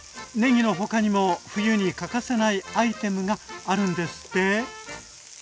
ねぎの他にも冬に欠かせないアイテムがあるんですって？